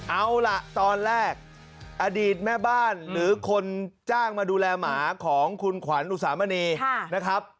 เอาล่ะตอนแรกอดีตแม่บ้านหรือคนจ้างมาดูแลหมาของคุณขวัญอุสามณีนะครับ